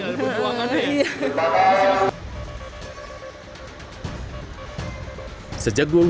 lumayan berbuang buang ya